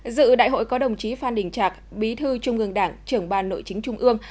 dự đại hội có đồng chí phan đình trạc bí thư trung ương đảng trưởng ban nội chính trung ương